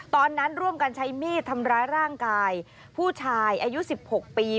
ตอนนั้นร่วมกันใช้มีดทำร้ายร่างกายผู้ชายอายุ๑๖ปี